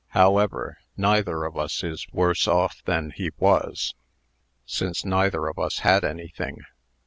However, neither of us is worse off than he was, since neither of us had anything.